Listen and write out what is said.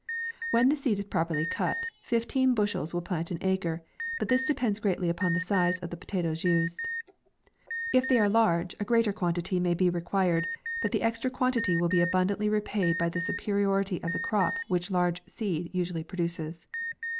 When the seed is properly cut, fifteen bushels will plant an acre, but this depends greatly upon the size of the potatoes used. If they are large, a greater quantity may be required, but the extra quantity will be abundantly re paid by the superiority of crop which large seed usually produces.